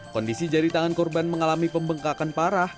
kondisi jari tangan korban mengalami pembengkakan parah